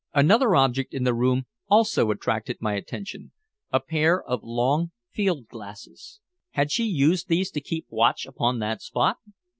Another object in the room also attracted my attention a pair of long field glasses. Had she used these to keep watch upon that spot?